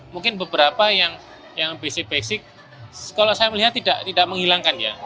mungkin beberapa yang basic basic kalau saya melihat tidak menghilangkan ya